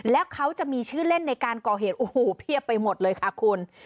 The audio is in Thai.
แล้วเขาจะมีชื่อเล่นในการก่อเหตุโอ้โหเพียบไปหมดเลยค่ะคุณ